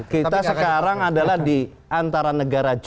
kita sekarang adalah di antara negara g dua puluh